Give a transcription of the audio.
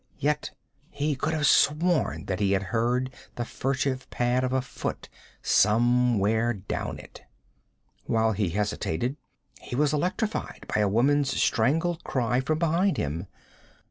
Yet he could have sworn that he had heard the furtive pad of a foot somewhere down it. While he hesitated, he was electrified by a woman's strangled cry from behind him.